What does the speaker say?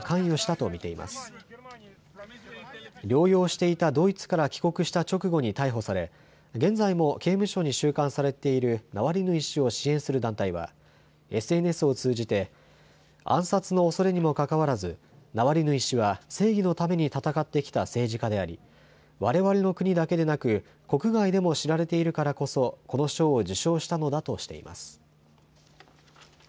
療養していたドイツから帰国した直後に逮捕され現在も刑務所に収監されているナワリヌイ氏を支援する団体はＳＮＳを通じて暗殺の恐れにもかかわらずナワリヌイ氏は正義のために闘ってきた政治家でありわれわれの国だけでなく国外でも知られているからこそこの賞を受賞したのだとしています。